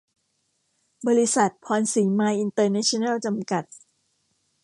บริษัท พรสีมาอินเตอร์เนชั่นแนล จำกัด